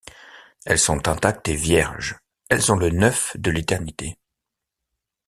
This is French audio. Elles sont intactes et vierges ; elles ont le neuf de l’éternité.